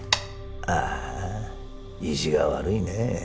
あーあ意地が悪いねえ。